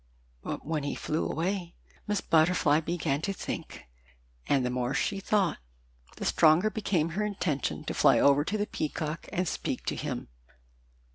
But when he flew away Miss Butterfly began to think, and the more she thought the stronger became her intention to fly over to the Peacock and speak to him.